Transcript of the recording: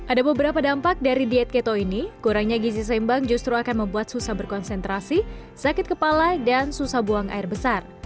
ada beberapa dampak dari diet keto ini kurangnya gizi seimbang justru akan membuat susah berkonsentrasi sakit kepala dan susah buang air besar